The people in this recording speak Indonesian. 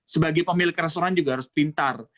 sebagai pemilik restoran juga harus pintar